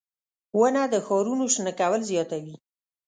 • ونه د ښارونو شنه کول زیاتوي.